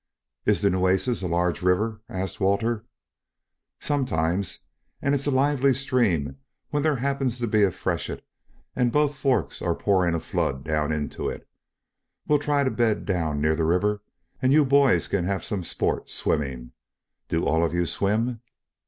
"Is the Nueces a large river?" asked Walter. "Sometimes. And it is a lively stream when there happens to be a freshet and both forks are pouring a flood down into it. We will try to bed down near the river and you boys can have some sport swimming. Do all of you swim?"